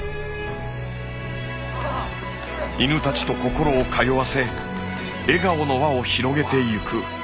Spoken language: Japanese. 犬たちと心を通わせ笑顔の輪を広げていく。